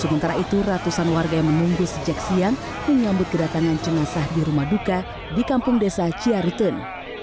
sementara itu ratusan warga yang menunggu sejak siang menyambut kedatangan jenazah di rumah duka di kampung desa ciaritun